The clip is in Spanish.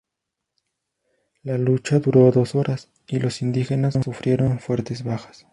La lucha duró dos horas y los indígenas sufrieron fuertes bajas.